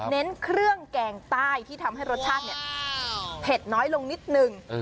เน้นเครื่องแกงใต้ที่ทำให้รสชาติเนี่ยเผ็ดน้อยลงนิดนึง